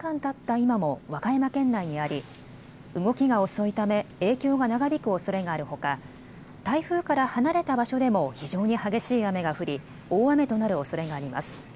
今も和歌山県内にあり動きが遅いため影響が長引くおそれがあるほか台風から離れた場所でも非常に激しい雨が降り大雨となるおそれがあります。